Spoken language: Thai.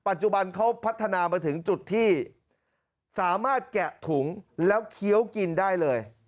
ปัจจุบันเขาพัฒนามาถึงจุดที่สามารถแกะถุงแล้วเคี้ยวกินได้เลย